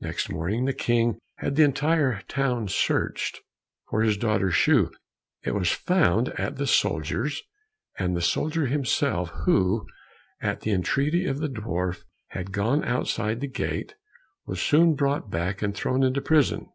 Next morning the King had the entire town searched for his daughter's shoe. It was found at the soldier's, and the soldier himself, who at the entreaty of the dwarf had gone outside the gate, was soon brought back, and thrown into prison.